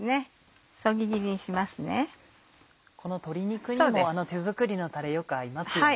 この鶏肉にも手作りのたれよく合いますよね。